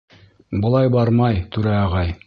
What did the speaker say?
Былай бармай, түрә ағай!